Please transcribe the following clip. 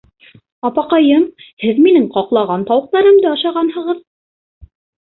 Апаҡайым, һеҙ минең ҡаҡлаған тауыҡтарымды ашағанһығыҙ!